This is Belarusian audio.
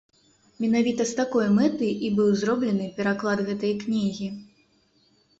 Менавіта з такой мэтай і быў зроблены пераклад гэтай кнігі.